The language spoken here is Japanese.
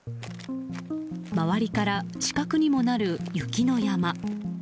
周りから死角にもなる雪の山。